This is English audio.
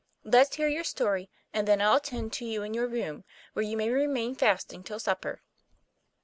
Let's hear your story, and then I'll attend to you in your room, where you may remain fasting till supper.